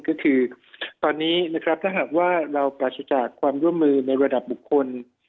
ก็คือตอนนี้นะครับถ้าหากว่าเราปราศจากความร่วมมือในระดับบุคคล